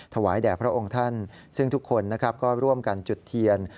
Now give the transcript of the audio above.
ถวายแด่พระองค์ท่านซึ่งทุกคนนะครับก็ร่วมกันจุดเทียน